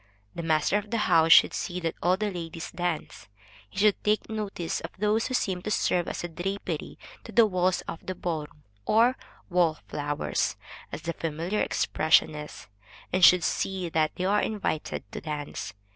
The master of the house should see that all the ladies dance; he should take notice of those who seem to serve as drapery to the walls of the ball room, or wall flowers, as the familiar expression is, and should see that they are invited to dance.